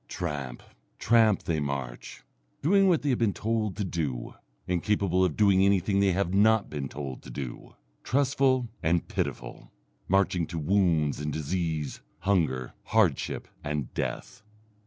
Tramp, tramp, they march, doing what they have been told to do, incapable of doing anything they have not been told to do, trustful and pitiful, marching to wounds and disease, hunger, hardship, and death.